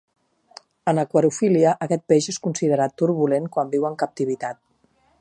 En aquariofília, aquest peix és considerat turbulent quan viu en captivitat.